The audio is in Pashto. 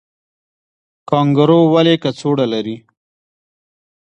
کانګارو ولې کڅوړه لري؟